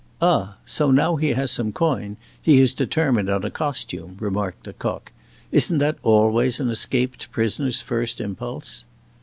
"Ah, so now he has some coin he has determined on a costume," remarked Lecoq. "Isn't that always an escaped prisoner's first impulse?"